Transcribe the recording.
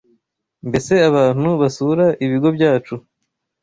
Mbese abantu basura ibigo byacu